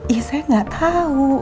ih saya gak tau